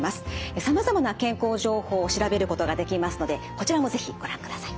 さまざまな健康情報を調べることができますのでこちらも是非ご覧ください。